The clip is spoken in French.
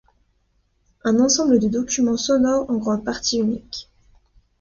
Un ensemble de documents sonores en grande partie uniques.